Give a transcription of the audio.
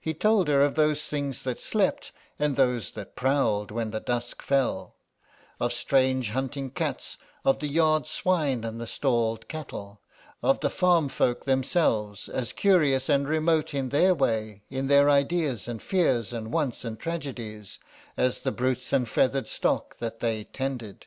He told her of those things that slept and those that prowled when the dusk fell, of strange hunting cats, of the yard swine and the stalled cattle, of the farm folk themselves, as curious and remote in their way, in their ideas and fears and wants and tragedies, as the brutes and feathered stock that they tended.